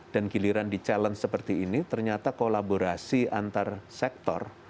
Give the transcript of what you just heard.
dan giliran di challenge seperti ini ternyata kolaborasi antar sektor